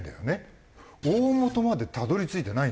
大もとまでたどり着いてない。